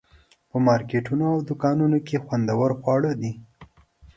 په مارکیټونو او دوکانونو کې خوندور خواړه دي.